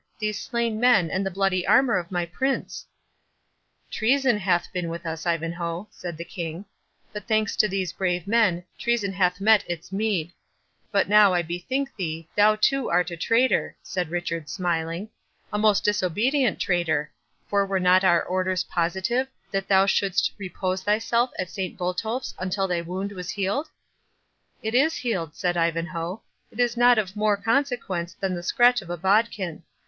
these slain men, and the bloody armour of my Prince?" "Treason hath been with us, Ivanhoe," said the King; "but, thanks to these brave men, treason hath met its meed—But, now I bethink me, thou too art a traitor," said Richard, smiling; "a most disobedient traitor; for were not our orders positive, that thou shouldst repose thyself at Saint Botolph's until thy wound was healed?" "It is healed," said Ivanhoe; "it is not of more consequence than the scratch of a bodkin.